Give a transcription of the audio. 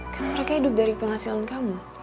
kan mereka hidup dari penghasilan kamu